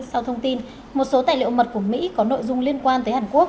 sau thông tin một số tài liệu mật của mỹ có nội dung liên quan tới hàn quốc